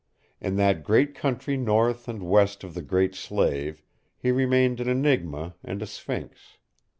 In that great country north and west of the Great Slave he remained an enigma and a sphinx.